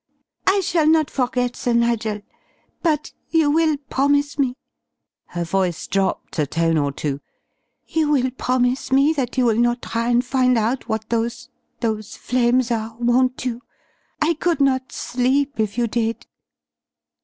"I shall not forget, Sir Nigel. But you will promise me," her voice dropped a tone or two, "you will promise me that you will not try and find out what those those flames are, won't you? I could not sleep if you did."